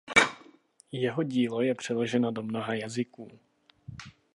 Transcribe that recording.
Jeho dílo je přeloženo do mnoha jazyků.